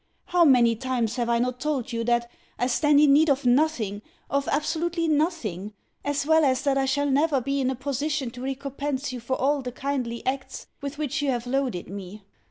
How many times have I not told you that I stand in need of NOTHING, of absolutely NOTHING, as well as that I shall never be in a position to recompense you for all the kindly acts with which you have loaded me?